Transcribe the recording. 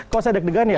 kok sedek degan ya